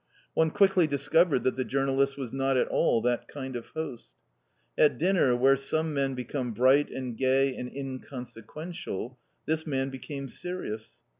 One quickly discovered that the journalist was not at all that kind of host. At dinner, where some men become bright and gay and inconsequential, this man became serious.